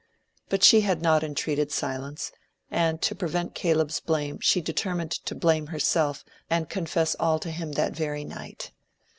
But she had not entreated silence, and to prevent Caleb's blame she determined to blame herself and confess all to him that very night.